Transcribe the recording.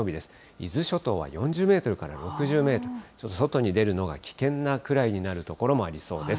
伊豆諸島は４０メートルから６０メートル、ちょっと外に出るのが危険なくらいになる所もありそうです。